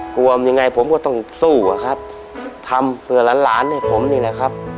วมยังไงผมก็ต้องสู้อะครับทำเพื่อหลานหลานให้ผมนี่แหละครับ